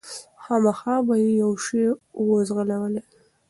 خامخا به یې یو شی وو ځغلولی